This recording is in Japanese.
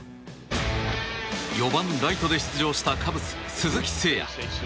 ４番ライトで出場したカブス、鈴木誠也。